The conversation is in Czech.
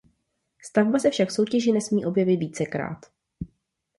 Stavba se však v soutěži nesmí objevit vícekrát.